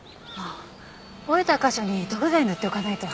折れた箇所に塗布剤塗っておかないと。